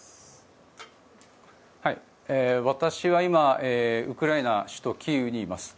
私は今ウクライナの首都キーウにいます。